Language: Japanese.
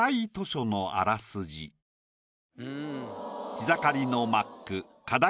「日盛りのマック課題